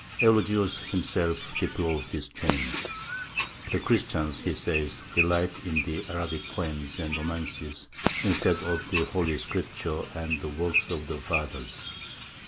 Eulogius himself deplores this change. The Christians, he says, delight in the Arabic poems and romances instead of the Holy Scriptures and the works of the Fathers.